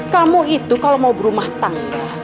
kamu itu kalau mau berumah tangga